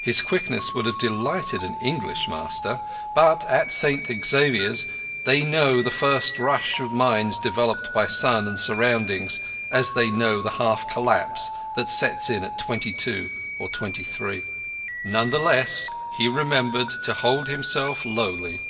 His quickness would have delighted an English master; but at St Xavier's they know the first rush of minds developed by sun and surroundings, as they know the half collapse that sets in at twenty two or twenty three. None the less he remembered to hold himself lowly.